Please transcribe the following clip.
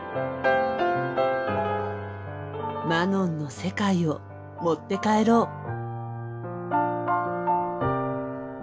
マノンの世界を持って帰ろう。